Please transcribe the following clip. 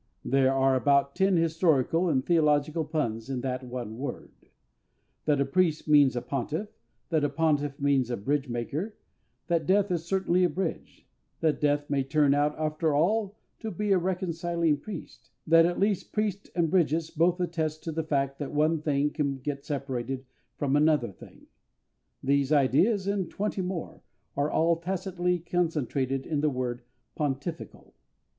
There are about ten historical and theological puns in that one word. That a priest means a pontiff, that a pontiff means a bridge maker, that death is certainly a bridge, that death may turn out after all to be a reconciling priest, that at least priest and bridges both attest to the fact that one thing can get separated from another thing these ideas, and twenty more, are all tacitly concentrated in the word "Pontifical."